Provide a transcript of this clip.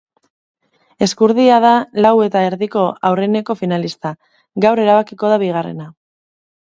Ezkurdia da Lau eta Erdiko aurreneko finalista; gaur erabakiko da bigarrena.